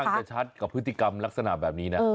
จะชัดกับพฤติกรรมลักษณะแบบนี้นะ